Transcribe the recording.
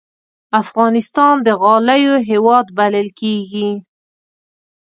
افغانستان د غالیو هېواد بلل کېږي.